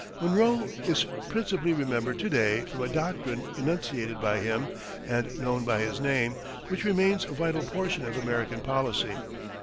Monroe is principally remembered to day from a "doctrine" enunciated by him and known by his name, which remains a vital portion of American policy.